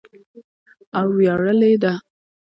او ویاړلې ده.